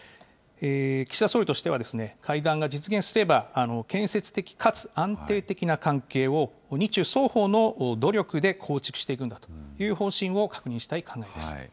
岸田総理としては、会談が実現すれば、建設的かつ安定的な関係を日中双方の努力で構築していくんだという方針を確認したい考えです。